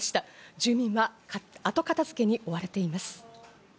住民は、後片付けに追われています。